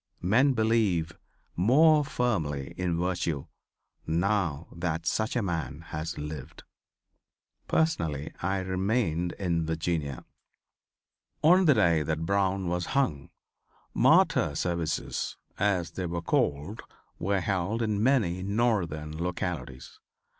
Men believe more firmly in virtue now that such a man has lived." Personally I remained in Virginia. On the day that Brown was hung =Martyr Services=, as they were called, were held in many Northern localities.